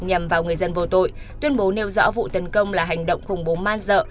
nhằm vào người dân vô tội tuyên bố nêu rõ vụ tấn công là hành động khủng bố man dợ